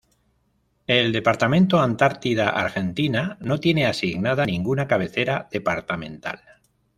El departamento Antártida Argentina no tiene asignada ninguna cabecera departamental.